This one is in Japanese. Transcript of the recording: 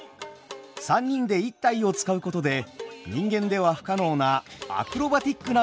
３人で１体を遣うことで人間では不可能なアクロバティックな動きも可能です。